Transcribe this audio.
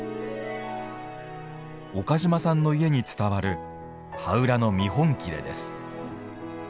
岡島さんの家に伝わる羽裏の見本きれです。